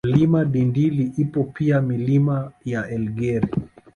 Mlima Dindili ipo pia Milima ya Elgeri